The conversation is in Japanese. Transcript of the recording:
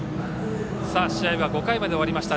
試合は５回まで終わりました。